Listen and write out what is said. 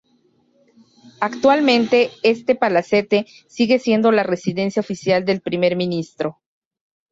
Actualmente, este palacete sigue siendo la residencia oficial del Primer Ministro.